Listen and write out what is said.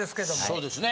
そうですね。